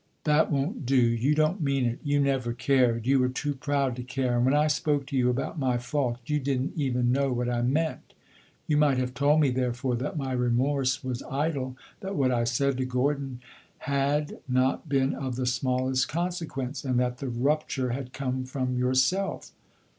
"That won't do you don't mean it. You never cared you were too proud to care; and when I spoke to you about my fault, you did n't even know what I meant. You might have told me, therefore, that my remorse was idle, that what I said to Gordon had not been of the smallest consequence, and that the rupture had come from yourself."